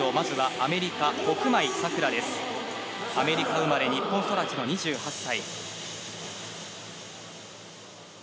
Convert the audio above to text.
アメリカ生まれ日本育ちの２８歳。